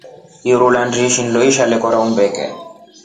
Iru landishi nloksha lekorya umbeere.